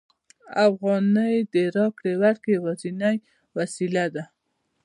افغانۍ د راکړې ورکړې یوازینۍ وسیله ده